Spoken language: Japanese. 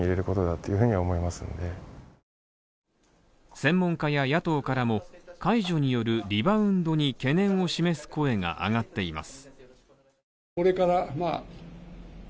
専門家や野党からも解除によるリバウンドに懸念を示す声が上がっています。